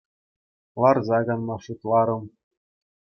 Ларса канма шутларӑм.